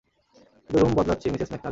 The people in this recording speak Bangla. শুধু রুম বদলাচ্ছি মিসেস ম্যাকনালি।